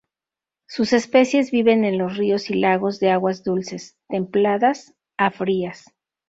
Sus especies viven en los ríos y lagos de aguas dulces, templadas a frías.